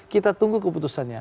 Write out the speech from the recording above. kita tunggu keputusannya